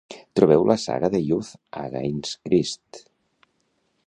Trobeu la saga de Youth Against Christ.